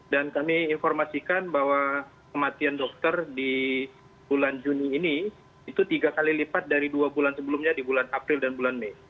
dan kami informasikan bahwa kematian dokter di bulan juni ini itu tiga kali lipat dari dua bulan sebelumnya di bulan april dan bulan mei